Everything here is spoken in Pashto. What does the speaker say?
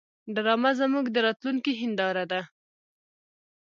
ډرامه زموږ د راتلونکي هنداره ده